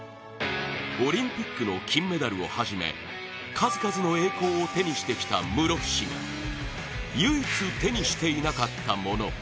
オリンピックの金メダルをはじめ数々の栄光を手にしてきた室伏が唯一手にしていなかったもの。